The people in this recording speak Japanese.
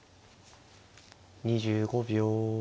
２５秒。